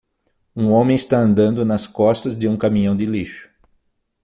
Um homem está andando nas costas de um caminhão de lixo.